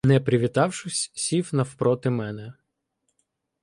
Не привітавшись, сів навпроти мене.